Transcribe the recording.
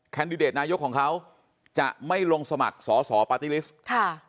ดิเดตนายกของเขาจะไม่ลงสมัครสอสอปาร์ตี้ลิสต์ค่ะ